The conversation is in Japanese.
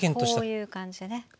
こういう感じでね上。